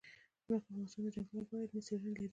افغانستان د چنګلونه په اړه علمي څېړنې لري.